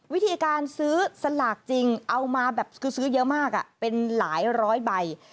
วิธีการซื้อสลากจริงเอามาแบบคือซื้อเยอะมากเป็นหลายร้อยใบ